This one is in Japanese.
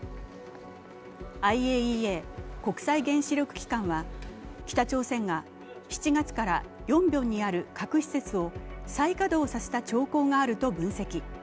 ＩＡＥＡ＝国際原子力機関は北朝鮮が７月からヨンビョンにある核施設を再稼働させた兆候があると分析。